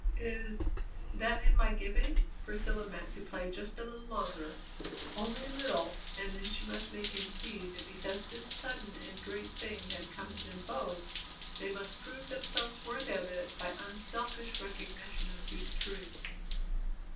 "Is that in my giving?" Priscilla meant to play just a little longer, only a little, and then she must make him see that because this sudden and great thing had come to them both, they must prove themselves worthy of it by unselfish recognition of deep truths.